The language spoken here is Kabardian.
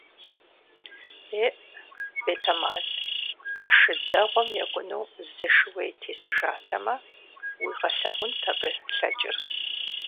ЕӀ, бетэмал, а шы дэгъуэм екӀуну зы шууей тесыжатэмэ, уигъэлъагъунт абы лъэкӀыр!